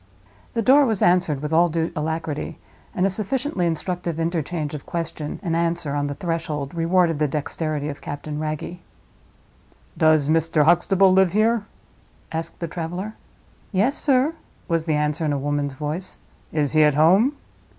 The door was answered with all due alacrity, and a sufficiently instructive interchange of question and answer on the threshold rewarded the dexterity of Captain Wragge. "Does Mr. Huxtable live here?" asked the traveler. "Yes, sir," was the answer, in a woman's voice. "Is he at home?"